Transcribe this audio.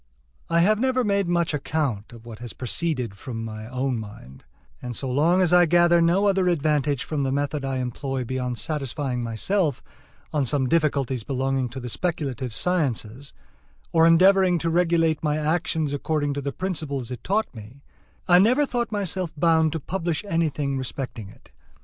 I have never made much account of what has proceeded from my own mind; and so long as I gathered no other advantage from the method I employ beyond satisfying myself on some difficulties belonging to the speculative sciences, or endeavoring to regulate my actions according to the principles it taught me, I never thought myself bound to publish anything respecting it.